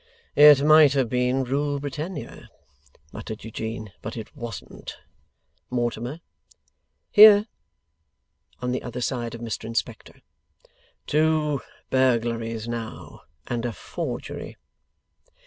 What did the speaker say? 'It might have been Rule Britannia,' muttered Eugene, 'but it wasn't. Mortimer!' 'Here!' (On the other side of Mr Inspector.) 'Two burglaries now, and a forgery!